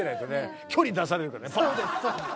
距離出されるからねパッと。